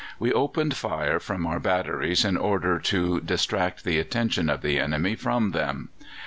We opened fire from our batteries in order to distract the attention of the enemy from them.